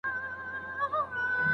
شاګرد به د مقالې ژبني اړخونه سموي.